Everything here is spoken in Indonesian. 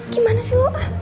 gimana sih lu